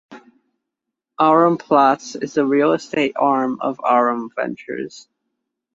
Aurum Platz is the real estate arm of Aurum Ventures.